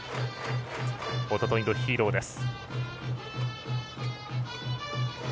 おとといのヒーローです。